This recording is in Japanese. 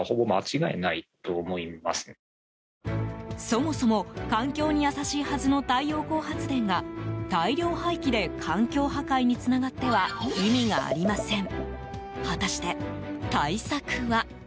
そもそも環境に優しいはずの太陽光発電が大量廃棄で環境破壊につながっては意味がありません。